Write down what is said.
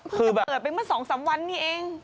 เขาก็เปิดไปเพราะ๒๓วันนี้เอง